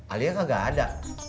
alia kagak ada